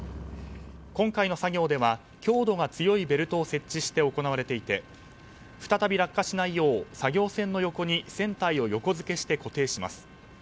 今回の作業では強度が強いベルトを設置して行われていて再び落下しないよう作業船の横に船体を横付けして固定します。